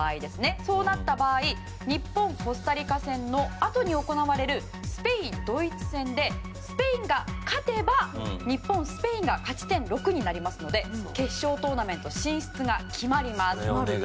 そうなった場合日本、コスタリカ戦のあとに行われるスペイン、ドイツ戦でスペインが勝てば日本、スペインが勝ち点６になるので決勝トーナメント進出が決まります。